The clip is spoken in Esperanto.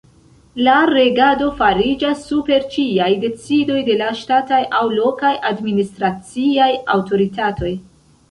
La regado fariĝas super ĉiaj decidoj de la ŝtataj aŭ lokaj administraciaj aŭtoritatoj.